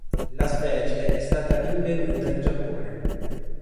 La specie è stata rinvenuta in Giappone.